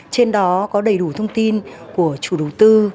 trên đó có đầy đủ thông tin của chủ đầu tư